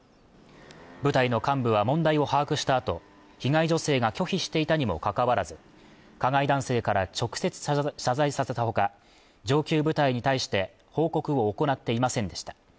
部隊の幹部は問題を把握したあと被害女性が拒否していたにもかかわらず加害男性から直接謝罪させたほか上級部隊に対して報告を行っていませんでした